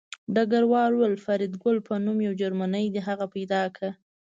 ډګروال وویل فریدګل په نوم یو جرمنی دی هغه پیدا کړه